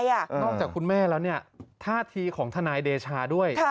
นอกจากคุณแม่แล้วเนี่ยท่าทีของทนายเดชาด้วย